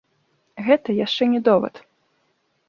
Гэта яшчэ не довад.